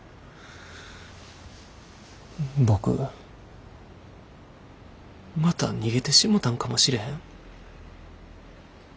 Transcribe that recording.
僕また逃げてしもたんかもしれへん。